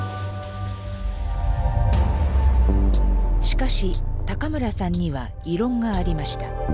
しかし村さんには異論がありました。